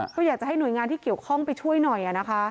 ก็อยากจะให้หน่วยงานที่เกี่ยวข้องไปช่วยหน่อยนะคะ